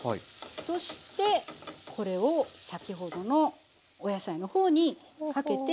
そしてこれを先ほどのお野菜の方にかけていきましょう。